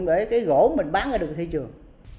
để cái gỗ mình bán ở thị trường